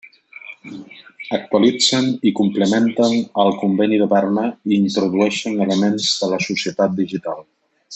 Actualitzen i complementen el Conveni de Berna i introdueixen elements de la societat digital.